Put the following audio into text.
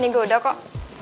nih gue udah kok